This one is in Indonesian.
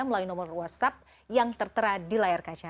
melalui nomor whatsapp yang tertera di layar kaca